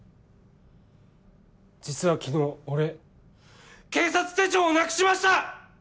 実は昨日俺警察手帳をなくしました！